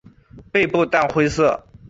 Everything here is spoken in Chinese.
背部淡灰色。